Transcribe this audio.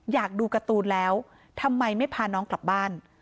อยากดูการ์ตูนแล้วทำไมไม่พาน้องกลับบ้าน